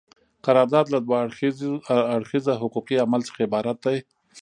قرارداد له دوه اړخیزه حقوقي عمل څخه عبارت دی.